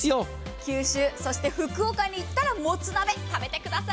九州、福岡に行ったらやっぱりもつ鍋食べてください。